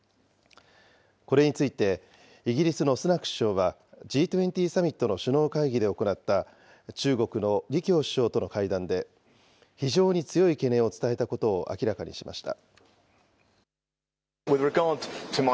これについて、イギリスのスナク首相は、Ｇ２０サミットの首脳会議で行った中国の李強首相との会談で、非常に強い懸念を伝えたことを明らかにしました。